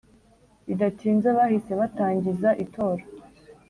Bidatinze bahise batangiza itora